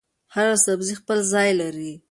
هر سبزي خپل ځای لري.